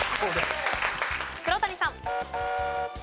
黒谷さん。